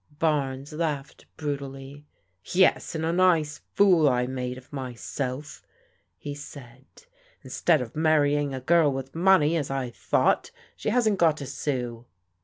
Barnes laughed brutally. "Yes, and a nice fool I made of myself," he said. " Instead of marrying a girl with money, as I thought, she hasn't got a sou."